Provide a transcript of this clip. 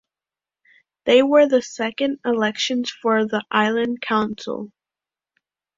They were the second elections for the Island Council.